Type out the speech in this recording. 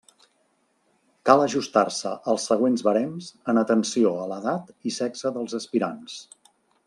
Cal ajustar-se als següents barems en atenció a l'edat i sexe dels aspirants.